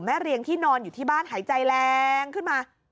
เรียงที่นอนอยู่ที่บ้านหายใจแรงขึ้นมา